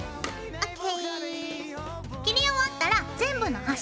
ＯＫ。